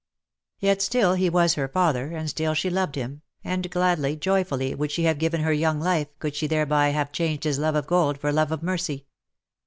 Yet still he was her father, and still she loved him, and gladly, joy fully, would she have given her young life, could she thereby have changed his love of gold, for love of mercy.